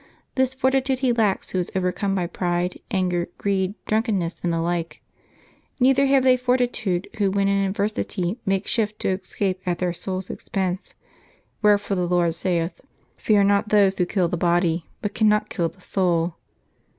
This fortitude he lacks who is overcome by pride, anger, greed, drunkenness, and the like. ISTeither have they fortitude who when in adversity make shift to escape at their souls' expense ; wherefore the Lord saith, ' Fear not those who kill the body, but cannot kill the soul.'